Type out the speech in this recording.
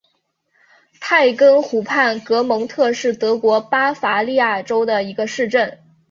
泰根湖畔格蒙特是德国巴伐利亚州的一个市镇。